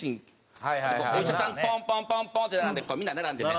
お医者さんがポンポンポンポンってみんな並んでね。